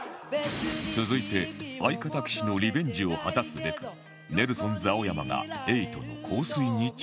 続いて相方岸のリベンジを果たすべくネルソンズ青山が瑛人の『香水』に挑戦